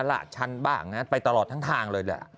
ละชันบ้างไปตลอดทั้งทางเลยแหละ